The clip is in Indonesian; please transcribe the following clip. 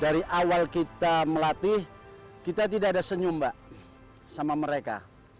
dari awal kita melatih kita tidak ada senyum mbak sama mereka